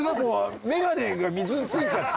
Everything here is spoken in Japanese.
メガネが水ついちゃって。